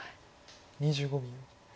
２５秒。